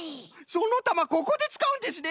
そのたまここでつかうんですね。